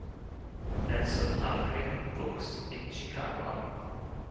Nelson Algren wuchs in Chicago auf.